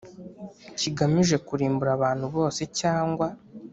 kigamije kurimbura abantu bose cyangwa